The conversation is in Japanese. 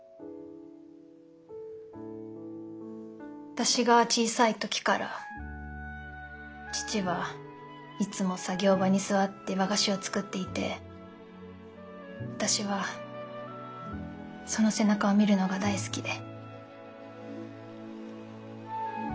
私が小さい時から父はいつも作業場に座って和菓子を作っていて私はその背中を見るのが大好きで。